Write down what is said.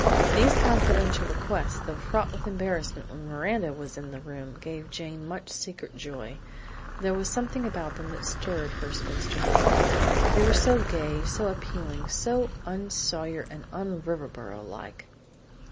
These confidential requests, though fraught with embarrassment when Miranda was in the room, gave Jane much secret joy; there was something about them that stirred her spinster heart they were so gay, so appealing, so un Sawyer , un Riverboro like.